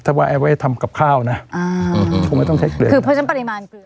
ถ้าว่าแอไว้ทำกับข้าวนะอ่าคงไม่ต้องใช้เกลือคือเพราะฉะนั้นปริมาณเกลือ